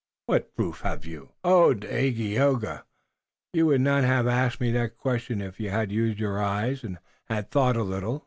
"What proof have you?" "O Dageaoga, you would not have asked me that question if you had used your eyes, and had thought a little.